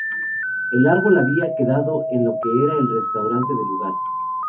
El árbol había quedado en lo que era el restaurante del lugar.